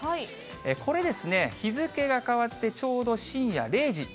これ、日付が変わってちょうど深夜０時。